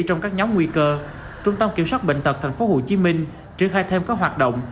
trong các nhóm nguy cơ trung tâm kiểm soát bệnh tật tp hcm triển khai thêm các hoạt động